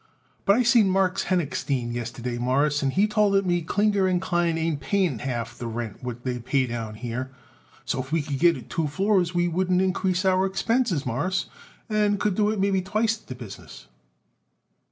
"But I seen Marks Henochstein yesterday, Mawruss, and he told it me Klinger & Klein ain't paying half the rent what they pay down here. So, if we could get it two floors we wouldn't increase our expenses, Mawruss, and could do it maybe twicet the business."